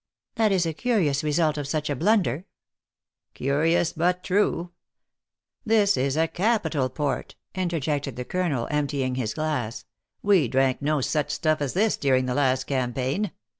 " That is a curious result of such a blunder." " Curious, but true. This is capital port," inter jected the colonel, emptying his glass. "We drank no such stuff as this during the last campaign.